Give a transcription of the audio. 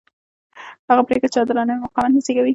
هغه پرېکړې چې عادلانه وي مقاومت نه زېږوي